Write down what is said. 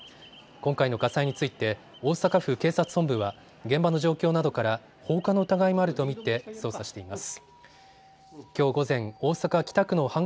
今回の火災について大阪府警察本部は現場の状況などから放火の疑いもあると見て捜査しています。